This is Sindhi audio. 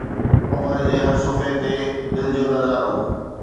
عمر جي هر صفحي تي دل جو نظارو